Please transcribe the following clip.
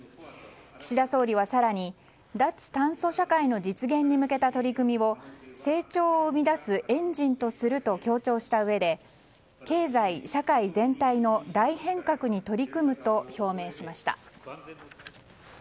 岸田総理は更に脱炭素社会の実現に向けた取り組みを成長を生み出すエンジンとすると強調したうえで経済社会全体の大変革に取り組むと表明しました。